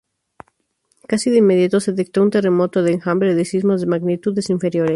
Casi de inmediato se detectó un "terremoto de enjambre" de sismos de magnitudes inferiores.